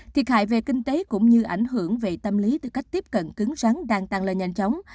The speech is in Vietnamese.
thiệt hại về kinh tế cũng như ảnh hưởng về tâm lý tư cách tiếp cận cứng rắn đang tăng lên nhanh chóng